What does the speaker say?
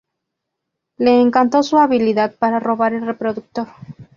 Le encantó su habilidad para robar el reproductor.